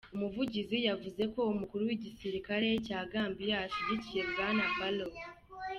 Umuvugizi yavuze ko umukuru w'igisirikare ca Gambia ashigikiye bwana Barrow.